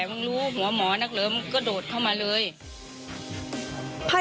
มันรู้หัวหมอนักเริ่มก็โดดเข้ามาเลย